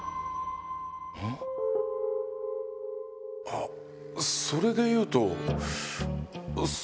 あっそれでいうと。